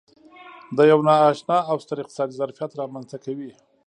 دا یو نا اشنا او ستر اقتصادي ظرفیت رامنځته کوي.